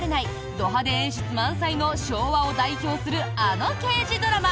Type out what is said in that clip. ド派手演出満載の昭和を代表するあの刑事ドラマ！